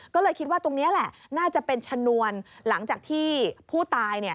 ก็เลยคิดว่าตรงนี้แหละน่าจะเป็นชนวนหลังจากที่ผู้ตาย